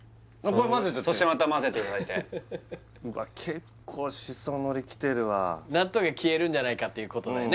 そしてまた混ぜていただいてうわっ結構しそのり来てるわ納豆が消えるんじゃないかっていうことだよね？